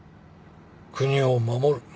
国を守る。